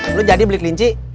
pur lo jadi beli kelinci